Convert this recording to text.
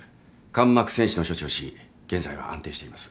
間膜穿刺の処置をし現在は安定しています。